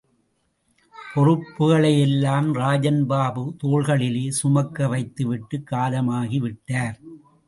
பொறுப்புகளை எல்லாம் ராஜன் பாபு தோள்களிலே சுமக்க வைத்து விட்டுக் காலமாகி விட்டார்.